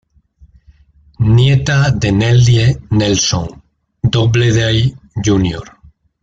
Nieta de Nellie Nelson Doubleday Jr.